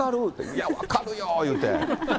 いや、分かるよー言うて。